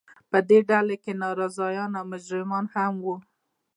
په دې ډلو کې ناراضیان او مجرمان هم وو.